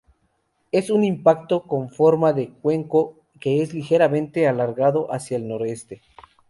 Es un impacto con forma de cuenco que es ligeramente alargado hacia el noroeste.